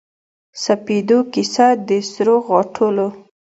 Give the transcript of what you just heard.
سپیدو کیسه د سروغاټولو